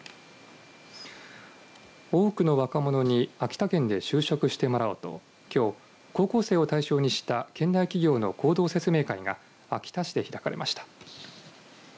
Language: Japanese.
多くの若者に秋田県で就職してもらおうときょう高校生を対象にした県内企業の合同説明会が秋田市で開かれました。